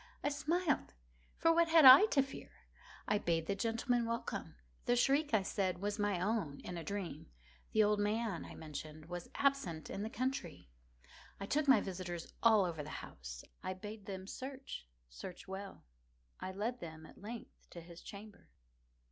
I smiled,—for what had I to fear? I bade the gentlemen welcome. The shriek, I said, was my own in a dream. The old man, I mentioned, was absent in the country. I took my visitors all over the house. I bade them search—search well. I led them, at length, to his chamber.